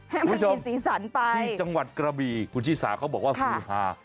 ให้มันมีสีสันไปที่จังหวัดกระบีคุณชิสาเขาบอกว่าศูนย์ฮา